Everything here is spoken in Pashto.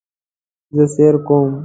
زه سیر کوم